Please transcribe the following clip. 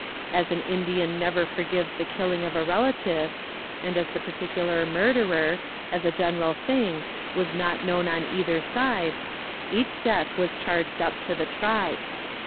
As an Indian never forgives the killing of a relative, and as the particular murderer, as a general thing, was not known on either side, each death was charged up to the tribe.